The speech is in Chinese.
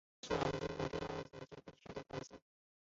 因此车轮在经过每个颠簸之前都须被重置惯性。